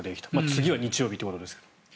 次は日曜日ということですが。